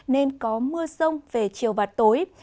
nên có mưa rông về chiều và tối